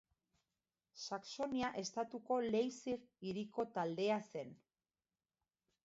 Saxonia estatuko Leipzig hiriko taldea zen.